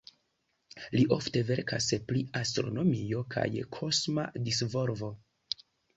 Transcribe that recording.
Li ofte verkas pri astronomio kaj kosma disvolvo.